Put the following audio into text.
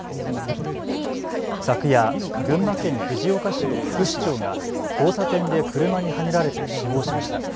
昨夜、群馬県藤岡市の副市長が交差点で車にはねられて死亡しました。